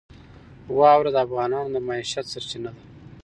واوره د افغانانو د معیشت سرچینه ده.